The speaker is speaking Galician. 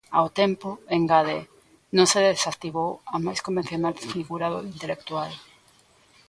Ao tempo, engade, non se desactivou a máis convencional figura do intelectual.